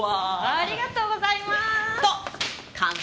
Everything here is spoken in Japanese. ありがとうございます！と鑑定書。